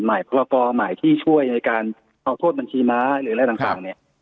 พรกรใหม่ที่ช่วยในการเอาโทษบัญชีม้าหรืออะไรต่างเนี่ย